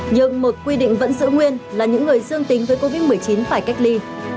nhưng một quy định vẫn giữ nguyên là những người dương tính với covid một mươi chín phải cách ly